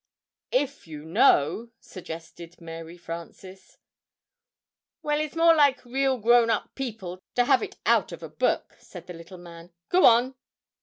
"If you know " sug gest ed Mary Frances. "Well, it's more like real grown up people to have it out of a book," said the little man. "Go on!"